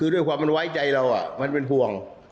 ด้วยความมันไว้ใจเรามันเป็นห่วง